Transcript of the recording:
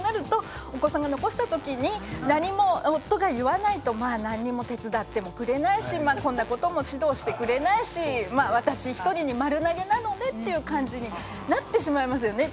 お子さんが残した時に夫が何も言わないと何も手伝ってくれないしこんなことも指導してくれないし私１人に丸投げなのねという感じになってしまいますよね。